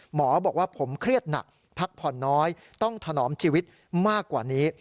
หมอบอกว่าผมเครียดหนักพักผ่อนน้อยต้องถนอมชีวิตมากกว่านี้